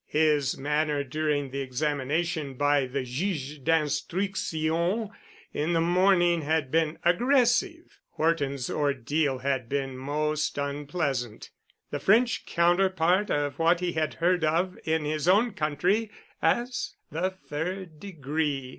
His manner during the examination by the Juge d'Instruction in the morning had been aggressive—Horton's ordeal had been most unpleasant, the French counterpart of what he had heard of in his own country as the "Third Degree."